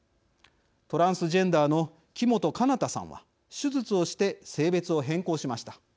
トランスジェンダーの木本奏太さんは手術をして性別を変更しました。